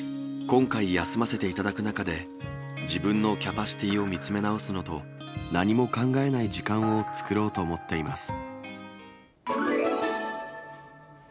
今回、休ませていただく中で、自分のキャパシティーを見つめ直すのと、何も考えない時間を作ろうと思っています。